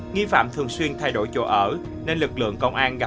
nghi phạm thường xuyên thay đổi chỗ ở nên lực lượng phối hợp đã tìm ra nạn nhân